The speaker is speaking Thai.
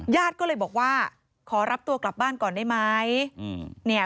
ญาติก็เลยบอกว่าขอรับตัวกลับบ้านก่อนได้ไหม